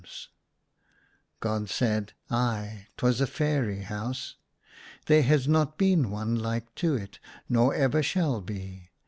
" ACROSS MY BED. 153 God said, " Ay, 'twas a fairy house. There has not been one Hke to it, nor ever shall be.